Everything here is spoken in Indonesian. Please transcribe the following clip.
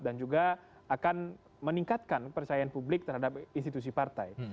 dan juga akan meningkatkan kepercayaan publik terhadap institusi partai